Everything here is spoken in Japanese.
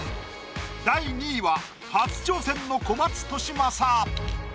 第２位は初挑戦の小松利昌。